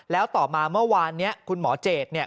แล้วต่อมาเมื่อวานนี้คุณหมอเจดเนี่ย